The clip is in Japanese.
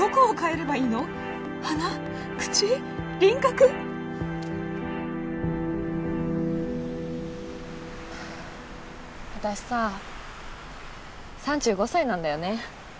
はぁ私さ３５歳なんだよね。